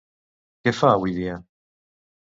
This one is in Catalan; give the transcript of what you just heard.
Què fa avui dia?